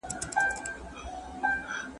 تخليقي ادب د ادیب د ذهن محصول دی.